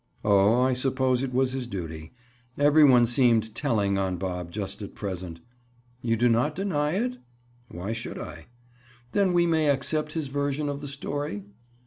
"Oh, I suppose it was his duty." Every one seemed "telling" on Bob just at present. "You do not deny it?" "Why should I?" "Then we may accept his version of the story?"